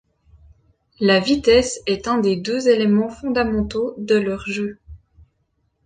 La vitesse est un des deux éléments fondamentaux de leur jeu.